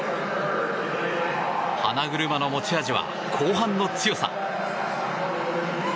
花車の持ち味は後半の強さ。